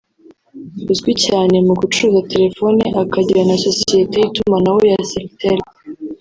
uzwi cyane mu gucuruza telefoni akagira na Sosiyete y’Itumanaho ya Celtel